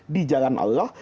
di jalan allah